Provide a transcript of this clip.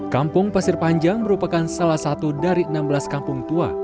kampung pasir panjang merupakan salah satu dari enam belas kampung tua